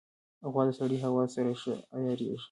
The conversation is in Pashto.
غوا د سړې هوا سره ښه عیارېږي.